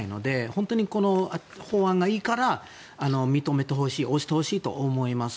本当にこの法案がいいから認めてほしい押してほしいと思います。